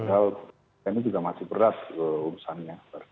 padahal ini juga masih berat urusannya